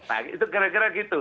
nah itu kira kira gitu